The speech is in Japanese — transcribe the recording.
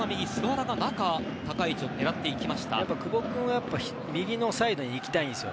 久保君は右のサイドに行きたいんですよ。